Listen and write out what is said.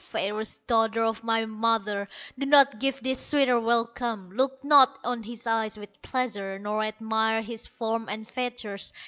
Fairest daughter of my mother, Do not give this suitor welcome, Look not on his eyes with pleasure, Nor admire his form and features.